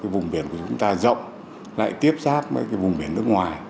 vùng biển của chúng ta rộng lại tiếp xác với vùng biển nước ngoài